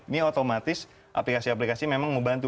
ini otomatis aplikasi aplikasi memang membantu